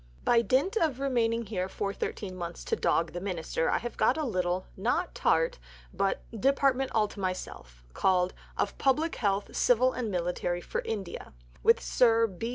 "By dint of remaining here for 13 months to dog the Minister I have got a little (not tart, but) Department all to myself, called 'Of Public Health, Civil and Military, for India,' with Sir B.